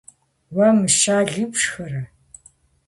- Уэ мыщэли пшхырэ?